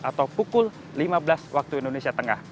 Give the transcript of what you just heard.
atau pukul lima belas waktu indonesia tengah